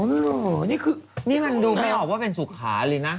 โอ้โหนี่คือนี่มันดูไม่ออกว่าเป็นสุขาเลยนะ